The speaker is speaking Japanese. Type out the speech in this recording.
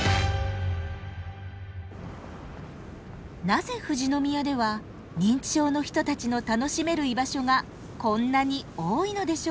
なぜ富士宮では認知症の人たちの楽しめる居場所がこんなに多いのでしょうか？